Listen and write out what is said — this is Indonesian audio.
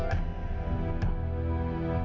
terima kasih pak